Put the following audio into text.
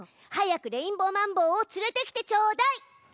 早くレインボーマンボウを連れてきてちょうだい！